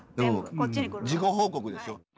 事後報告でしょ。